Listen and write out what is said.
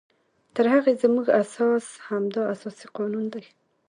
تر هغې زمونږ اساس همدا اساسي قانون دی